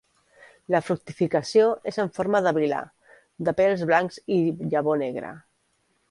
La fructificació és en forma de vil·là de pèls blancs i llavor negra.